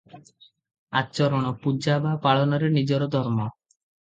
ଆଚରଣ, ପୂଜା ବା ପାଳନରେ ନିଜର ଧର୍ମ ।